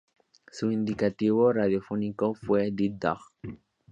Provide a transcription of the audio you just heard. Su indicativo radiofónico fue "Dead Dog".